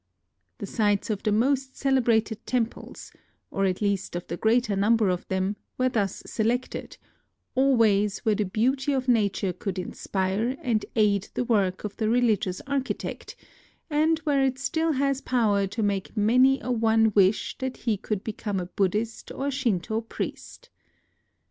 The sites of the most celebrated temples, or at least of the greater number of them, were thus selected, — always where the beauty of nature could inspire and 62 NOTES OF A TRIP TO KYOTO aid the work of the religious architect, and where it still has power to make many a one wish that he could become a Buddhist or Shinto priest.